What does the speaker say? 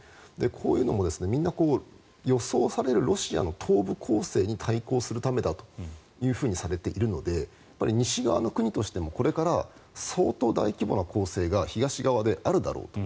こういうのもみんな、予想されるロシアの東部攻勢に対抗するためだというふうにされているので西側の国としてもこれから相当大規模な攻勢が東側であるだろうと。